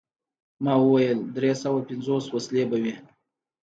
ما وویل: دری سوه پنځوس وسلې به وي.